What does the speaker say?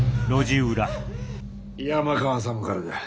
山川様からだ。